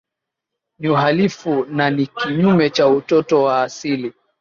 Ni uhalifu na ni kinyume na uoto wa asili